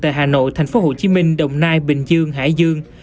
tại hà nội thành phố hồ chí minh đồng nai bình dương hải dương